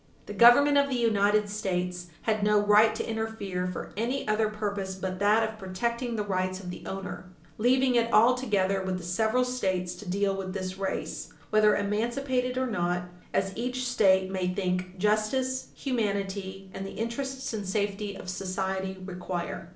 The Government of the United States had no right to interfere for any other purpose but that of protecting the rights of the owner, leaving it altogether with the several States to deal with this race, whether emancipated or not, as each State may think justice, humanity, and the interests and safety of society, require.